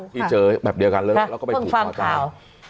ที่เจอแบบเดียวกันแล้วแล้วก็เพิ่งฟังข่าว